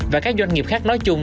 và các doanh nghiệp khác nói chung